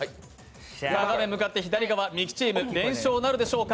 画面向かって左側、ミキチーム、連勝なるでしょうか。